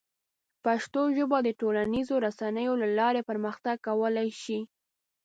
پښتو ژبه د ټولنیزو رسنیو له لارې پرمختګ کولی شي.